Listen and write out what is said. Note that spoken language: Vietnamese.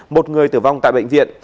một người tử vong tại bệnh viện